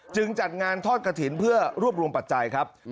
จัดงานทอดกระถิ่นเพื่อรวบรวมปัจจัยครับ